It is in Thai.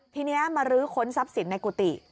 ทีนี้มาลื้อค้นทรัพย์สินในกุฏิ